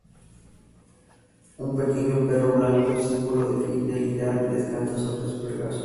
Un pequeño perro blanco, símbolo de fidelidad, descansa sobre su regazo.